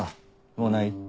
もうない？